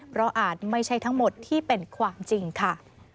เพราะอาจไม่ใช่ทั้งหมดที่เป็นความจริงค่ะ